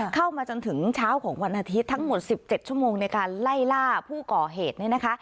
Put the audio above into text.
เข้ามาจนถึงเช้าของวันอาทิตย์ทั้งหมด๑๗ชั่วโมงในการไล่ล่าผู้ก่อเหตุเนี่ยนะคะ